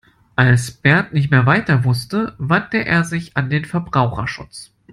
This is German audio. Als Bert nicht mehr weiter wusste, wandte er sich an den Verbraucherschutz.